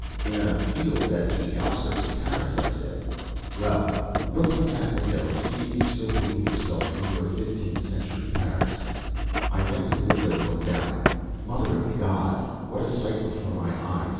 "'In a field at the outskirts of Paris,' I said. "'Well, look from that window and see if you still believe yourself in your 15th century Paris.' "I went to the window. I looked out. Mother of God, what a sight before my eyes!